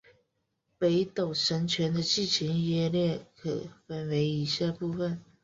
北斗神拳的剧情约略可分为以下部分。